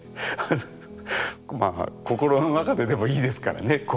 まあ心の中ででもいいですからね。